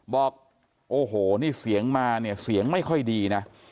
บอกโอ้โหนี่เสียงมาเนี่ยเสียงไม่ค่อยดีนะ